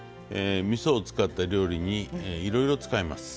みそを使った料理にいろいろ使えます。